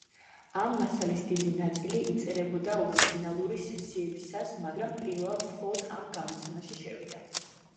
ამ მასალის დიდი ნაწილი იწერებოდა ორიგინალური სესიებისას, მაგრამ პირველად მხოლოდ ამ გამოცემაში შევიდა.